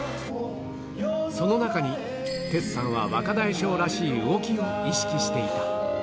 その中に、徹さんは若大将らしい動きを意識していた。